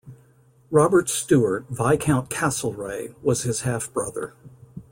Robert Stewart, Viscount Castlereagh, was his half-brother.